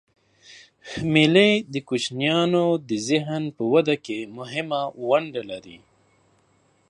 مېلې د کوچنيانو د ذهن په وده کښي مهمه ونډه لري.